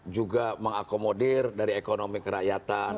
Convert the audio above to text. juga mengakomodir dari ekonomi kerakyatan